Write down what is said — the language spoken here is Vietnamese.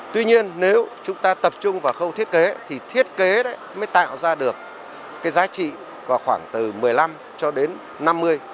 tuy nhiên nếu chúng ta tập trung vào khâu thiết kế thì thiết kế mới tạo ra được cái giá trị vào khoảng từ một mươi năm cho đến năm mươi